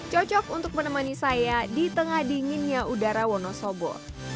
cocok untuk menemani saya di tengah dinginnya udara wonosobo